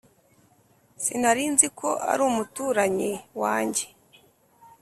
Sinarinziko ari umuturanyi wanjye